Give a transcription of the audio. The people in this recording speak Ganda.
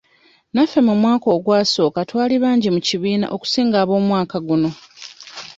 Naffe mu mwaka ogwasooka twali bangi mu kibiina okusinga ab'omwaka guno.